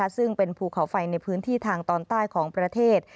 ซึ่งเป็นภูเขาไฟในพื้นที่ทางตอนใต้ของประเทศ